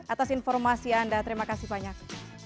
atas informasi anda terima kasih banyak